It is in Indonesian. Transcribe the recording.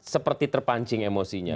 seperti terpancing emosinya